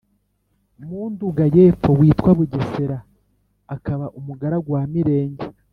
mu Nduga y’epfo witwa Bugegera, akaba umugaragu wa Mirenge,